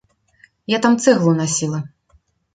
Я там цэглу насіла.